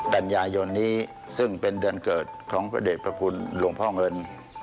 กันยายนนี้ซึ่งเป็นเดือนเกิดของพระเด็จพระคุณหลวงพ่อเงิน